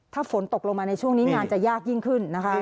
ถ้าฝนตกลงมาในช่วงนี้งานจะยากยิ่งขึ้นนะคะ